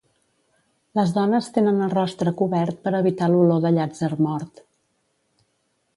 Les dones tenen el rostre cobert per evitar l'olor de Llàtzer mort.